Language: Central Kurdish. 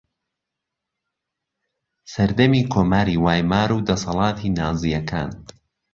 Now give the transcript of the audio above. سەردەمی کۆماری وایمار و دەسەڵاتی نازییەکان